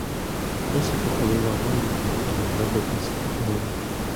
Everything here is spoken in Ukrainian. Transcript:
Тося похилила голову й глибоко зітхнула.